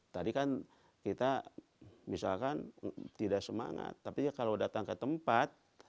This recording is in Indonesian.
tadi kan kita misalkan tidak semangat tapi kalau datang ke tempat